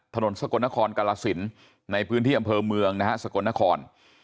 สกลนครกาลสินในพื้นที่อำเภอเมืองนะฮะสกลนคร